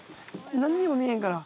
なんにも見えへんから。